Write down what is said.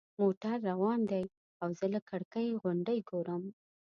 موټر روان دی او زه له کړکۍ غونډۍ ګورم.